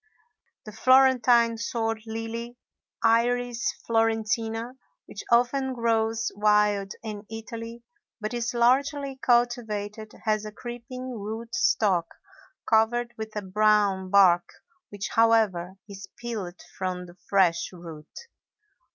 The Florentine sword lily, Iris florentina, which often grows wild in Italy but is largely cultivated, has a creeping root stock covered with a brown bark which, however, is peeled from the fresh root.